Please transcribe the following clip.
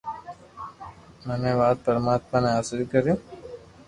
مين وات پرماتما ني حاصل ڪرو